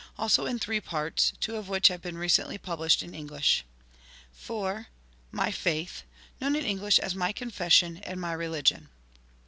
Also in three parts ; two of which have been re cently published ^ in English. 4. My Faith. Known in English as My Confes sion and My Religion.